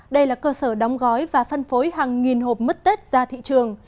đây là cơ sở đóng gói và phân phối hàng nghìn hộp mứt tết ra thị trường